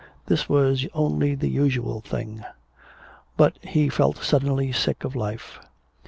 This was only the usual thing. But he felt suddenly sick of life.